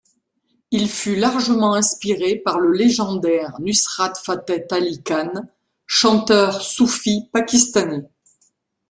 Il fut largement inspiré par le légendaire Nusrat Fateh Ali Khan, chanteur soufi pakistanais.